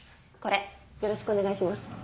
これよろしくお願いします。